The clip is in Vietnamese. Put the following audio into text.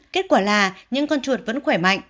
kết quả là những con chuột vẫn khỏe mạnh